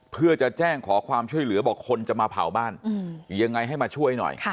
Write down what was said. เพื่อจะแจ้งขอความช่วยเหลือบอกคนจะมาเผาบ้านยังไงให้มาช่วยหน่อย